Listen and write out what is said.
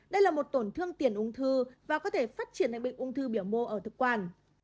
đây là một tổn thương tiền ung thư và có thể phát triển bệnh ung thư biểu mô ở thực quản